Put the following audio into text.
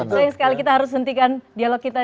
sayang sekali kita harus hentikan dialog kita